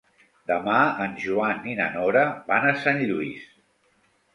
Demà en Joan i na Nora van a Sant Lluís.